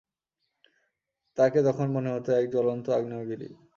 তাকে তখন মনে হত এক জ্বলন্ত আগ্নেয়গিরি।